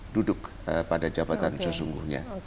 duduk pada jabatan sesungguhnya